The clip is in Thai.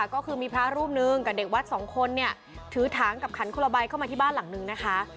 ก็คือมีพระรูปหนึ่งกับเด็กวัดสองคนเนี่ยถือถังกับขันคนละใบเข้ามาที่บ้านหลังนึงนะคะ